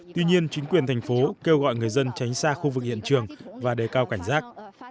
tuy nhiên chính quyền thành phố kêu gọi người dân tránh xa khu vực hiện trường và đề cao cảnh giác